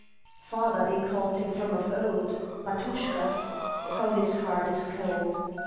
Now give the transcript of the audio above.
Father they called him from of old Batuschka! ... How his heart is cold!